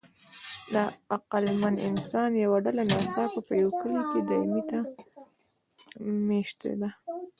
د عقلمن انسان یوه ډله ناڅاپه په یوه کلي کې دایمي نه مېشتېده.